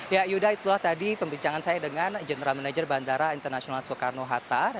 ya yuda itulah tadi pembincangan saya dengan general manager bandara internasional soekarno hatta